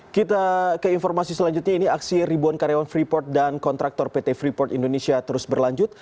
kita ke informasi selanjutnya ini aksi ribuan karyawan freeport dan kontraktor pt freeport indonesia terus berlanjut